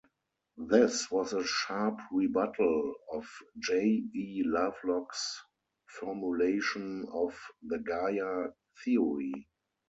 This was a sharp rebuttal of J. E. Lovelock's formulation of the Gaia Theory.